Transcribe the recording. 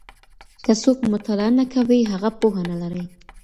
که څوک مطالعه نه کوي، هغه پوهه نه لري.